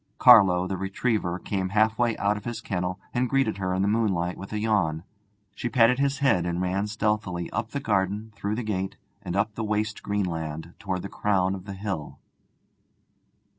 Carlo, the retriever, came halfway out of his kennel and greeted her in the moonlight with a yawn. She patted his head and ran stealthily up the garden, through the gate, and up the waste green land towards the crown of the hill.